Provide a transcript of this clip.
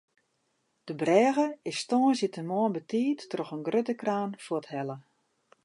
De brêge is tongersdeitemoarn betiid troch in grutte kraan fuorthelle.